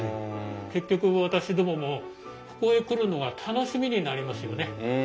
結局私どももここへ来るのが楽しみになりますよね。